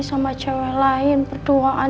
sama cewek lain berduaan